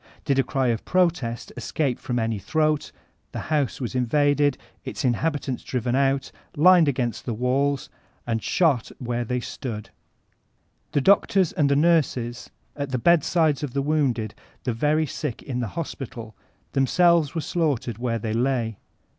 Did a cry of protest escape from any throat, the house was invaded, its in habitants driven out. lined against the walls, and shot where they stood. The doctors and the nurses at the The Paris Commune 247 bedsides of the woonded, the very sick in the hospitak, themselves were slaughtered where they lay.